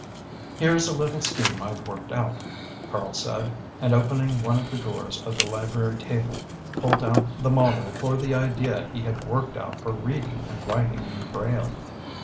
"Here's a little scheme I've worked out," Karl said, and opening one of the drawers of the library table, pulled out the model for the idea he had worked out for reading and writing in Braille.